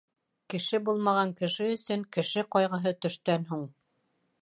Кеше булмаған кеше өсөн Кеше ҡайғыһы төштән һуң.